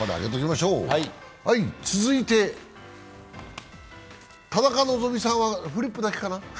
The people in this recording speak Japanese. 続いて田中希実さんはフリップだけかな？